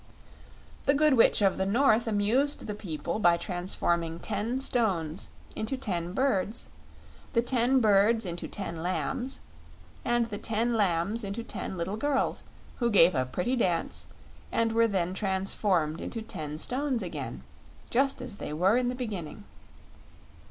The Good Witch of the North amused the people by transforming ten stones into ten birds, the ten birds into ten lambs, and the ten lambs into ten little girls, who gave a pretty dance and were then transformed into ten stones again, just as they were in the beginning.